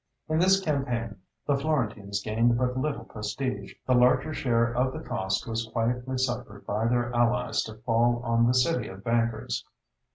In this campaign the Florentines gained but little prestige. The larger share of the cost was quietly suffered by their allies to fall on the city of bankers.